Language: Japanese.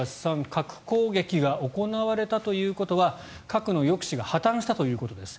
核攻撃が行われたということは核の抑止が破たんしたということです。